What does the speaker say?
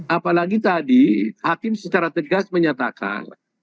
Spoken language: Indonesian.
apalagi tadi hakim secara tegas menyatakan